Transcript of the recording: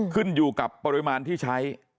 ขึ้นอยู่กับปริมาณที่ใช้